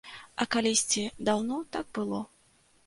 А калісьці, даўно, так было.